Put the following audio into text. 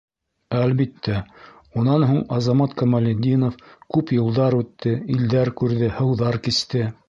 Әлбиттә, унан һуң Азамат Камалетдинов күп юлдар үтте, илдәр күрҙе, һыуҙар кисте.